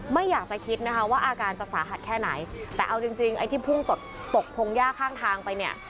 ไม่อยากจะคิดนะคะว่าอาการจะสาหัสแค่ไหนแต่เอาจริงจริงไอ้ที่พุ่งตกตกพงหญ้าข้างทางไปเนี่ย